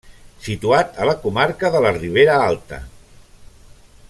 Situat a la comarca de la Ribera Alta.